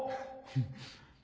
フッ。